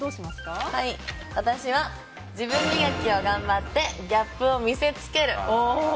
私は自分磨きを頑張ってギャップを見せつける。